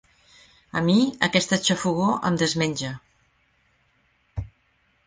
A mi aquesta xafogor em desmenja.